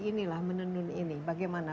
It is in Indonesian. inilah menenun ini bagaimana